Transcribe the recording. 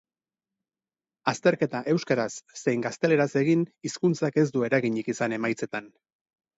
Azterketa euskaraz zein gazteleraz egin, hizkuntzak ez du eraginik izan emaitzetan.